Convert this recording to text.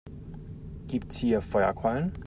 Gibt es hier Feuerquallen?